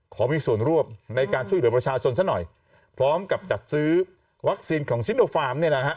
ขอมีส่วนร่วมในการช่วยเหลือประชาชนซะหน่อยพร้อมกับจัดซื้อวัคซีนของซิโนฟาร์มเนี่ยนะฮะ